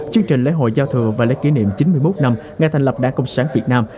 chương trình lễ hội giao thừa và lễ kỷ niệm chín mươi một năm ngày thành lập đảng cộng sản việt nam